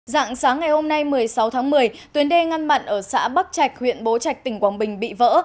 dạng sáng ngày hôm nay một mươi sáu tháng một mươi tuyến đê ngăn mặn ở xã bắc trạch huyện bố trạch tỉnh quảng bình bị vỡ